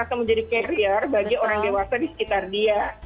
atau menjadi karier bagi orang dewasa di sekitar dia